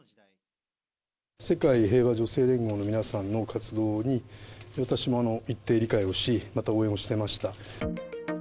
世界平和女性連合の皆さんの活動に、私も一定理解をし、また応援をしていました。